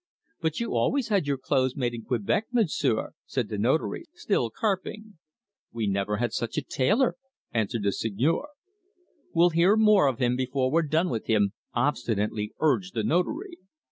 "But you always had your clothes made in Quebec, Monsieur," said the Notary, still carping. "We never had such a tailor," answered the Seigneur. "We'll hear more of him before we're done with him," obstinately urged the Notary.